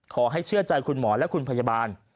เชื่อใจคุณหมอและคุณพยาบาล